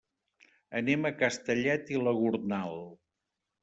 Anem a Castellet i la Gornal.